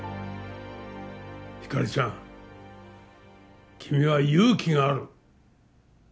ひかりちゃん君は勇気がある。